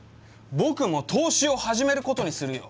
僕も投資を始めることにするよ。